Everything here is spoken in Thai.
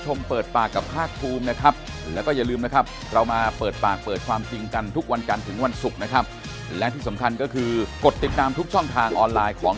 เดี๋ยวรอดูกันต่อไปครับขอบคุณนะครับท่านครับสำหรับข้อมูลครับขอบคุณครับสวัสดีครับ